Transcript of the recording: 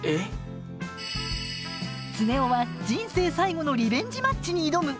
常雄は人生最後のリベンジマッチに挑む。